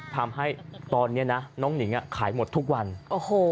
ทำให้ตอนเนี้ยนะน้องหนิงอ่ะขายหมดทุกวันโอ้โห